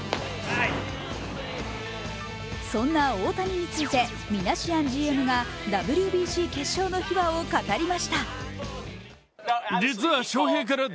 そんな大谷についてミナシアンＧＭがＷＢＣ決勝の秘話を語りました。